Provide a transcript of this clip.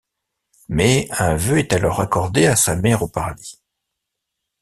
Mais un vœu est alors accordé à sa mère au paradis.